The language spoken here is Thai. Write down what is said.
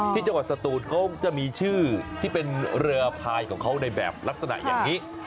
ที่จังหวัดสตูนเขาจะมีชื่อที่เป็นเรือพายของเขาในแบบลักษณะอย่างนี้